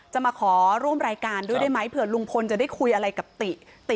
มาขอร่วมรายการด้วยได้ไหมเผื่อลุงพลจะได้คุยอะไรกับติติ